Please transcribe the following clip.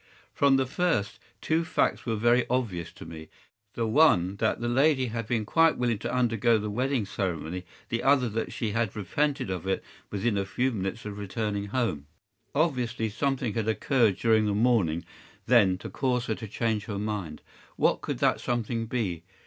” “From the first, two facts were very obvious to me, the one that the lady had been quite willing to undergo the wedding ceremony, the other that she had repented of it within a few minutes of returning home. Obviously something had occurred during the morning, then, to cause her to change her mind. What could that something be?